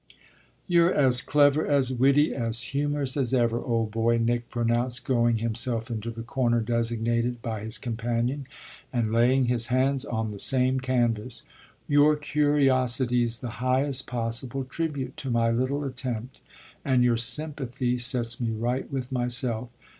"You're as clever, as witty, as humorous as ever, old boy," Nick pronounced, going himself into the corner designated by his companion and laying his hands on the same canvas. "Your curiosity's the highest possible tribute to my little attempt and your sympathy sets me right with myself.